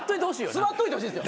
座っといてほしいんすよ。